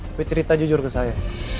tapi cerita jujur ke saya